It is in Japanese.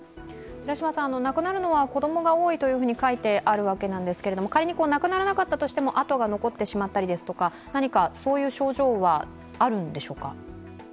亡くなるのは子供が多いと書いてある訳なんですが仮に亡くならなかったとしても痕が残ってしまったりですとかそういう症状はあるんでしょうか？